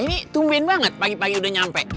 ini tumben banget pagi pagi udah nyampe